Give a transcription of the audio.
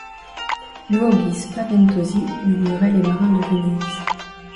Luoghi spaventosi, murmuraient les marins de Venise.